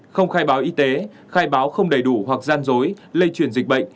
một mươi không khai báo y tế khai báo không đầy đủ hoặc gian dối lây chuyển dịch bệnh